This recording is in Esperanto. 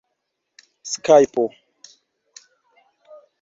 skajpo